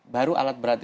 baru alat berat itu